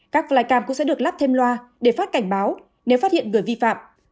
các flycam cũng sẽ được lắp thêm loa để phát cảnh báo nếu phát hiện người vi phạm